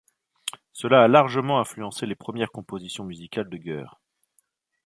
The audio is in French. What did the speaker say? Cela a largement influencé les premières compositions musicales de Goehr.